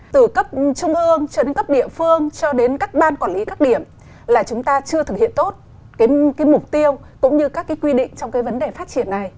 từ cấp trung ương cho đến cấp địa phương cho đến các ban quản lý các điểm là chúng ta chưa thực hiện tốt cái mục tiêu cũng như các cái quy định trong cái vấn đề phát triển này